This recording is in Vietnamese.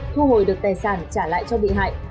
thu hồi được tài sản trả lại cho bị hại